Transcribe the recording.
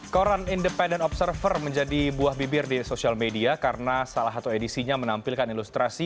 koran independent observer menjadi buah bibir di sosial media karena salah satu edisinya menampilkan ilustrasi